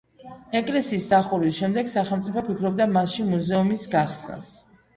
ეკლესიისა დახურვის შემდეგ სახელმწიფო ფიქრობდა მასში მუზეუმის გახსნას.